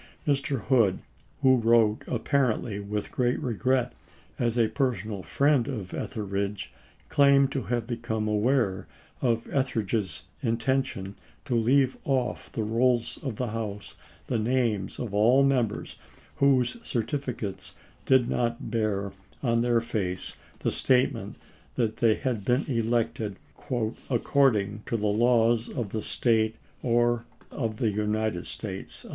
Mr. Hood, who wrote apparently with great regret as a personal friend of Etheridge, claimed to have become aware of Etheridge's intention to leave off the rolls of the House the names of all Members whose certificates did not bear on their face the statement that they had been elected " ac cording to the laws of the State or of the United States."